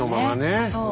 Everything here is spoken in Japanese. そう。